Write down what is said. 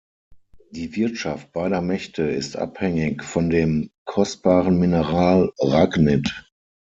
Die Wirtschaft beider Mächte ist abhängig von dem kostbaren Mineral Ragnit.